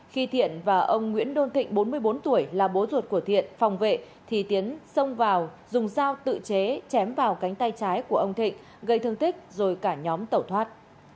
khi thiện và ông nguyễn đôn thịnh bốn mươi bốn tuổi là bố ruột của thiện phòng vệ thì tiến xông vào dùng dao tự chế chém vào cánh tay trái của ông thịnh gây thương tích rồi cả nhóm tẩu thoát